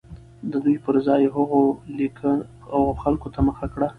د دوى پر ځاى هغو خلكو ته مخه كړه